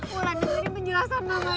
mulan dengerin penjelasan mama dulu mulan